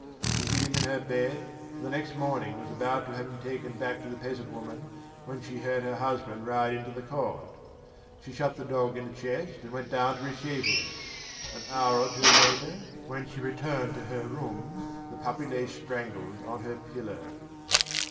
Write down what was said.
She hid him in her bed, and the next morning was about to have him taken back to the peasant woman when she heard her husband ride into the court. She shut the dog in a chest and went down to receive him. An hour or two later, when she returned to her room, the puppy lay strangled on her pillow...